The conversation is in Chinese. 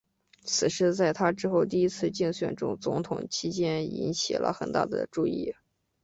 此事在他之后第一次竞选总统期间引起了很大的注意。